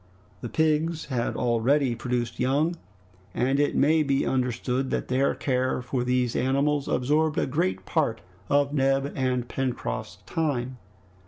The pigs had already produced young, and it may be understood that their care for these animals absorbed a great part of Neb and Pencroft's time.